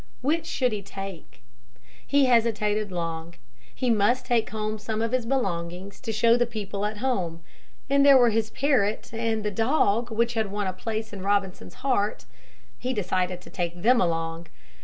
Which should he take? He hesitated long. He must take home some of his belongings to show the people at home. And there were his parrot and the dog which had won a place in Robinson's heart. He decided to take them along.